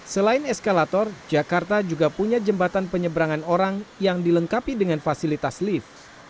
selain eskalator jakarta juga punya jembatan penyeberangan orang yang dilengkapi dengan fasilitas lift